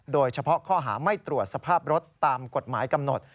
โดยเฉพาะข้อหาไม่ตรวจสภาพรถตามกฎหมายกำหนด